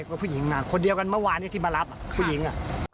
ก็ผู้หญิงคนเดียวกันเมื่อวานที่มารับผู้หญิง